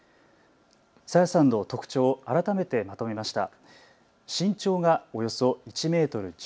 朝芽さんの特徴、改めてまとめました。